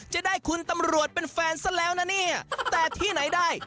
จะได้คุณตำรวจเป็นแฟนซะแล้วนะเนี่ยแต่ที่ไหนได้